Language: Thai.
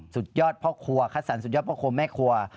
สุดยอดพ่อคัสสันสุดยอดพ่อคมแม่คัว